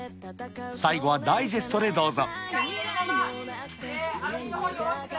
最後はダイジェストでどうぞ。